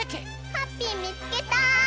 ハッピーみつけた！